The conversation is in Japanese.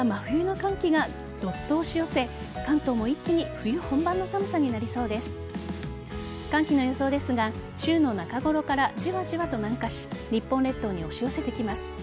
寒気の予想ですが週の中頃からじわじわと南下し日本列島に押し寄せてきます。